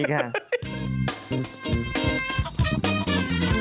สวัสดีค่ะ